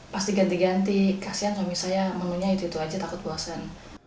pas diganti ganti kasian kami saya menunya itu aja takut puasan